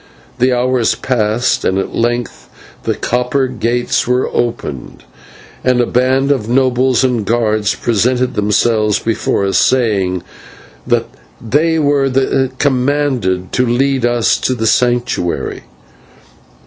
The hours passed, and at length the copper gates were opened, and a band of nobles and guards presented themselves before us, saying that they were commanded to lead us to the Sanctuary.